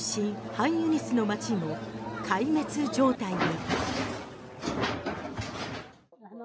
ハンユニスの街も壊滅状態に。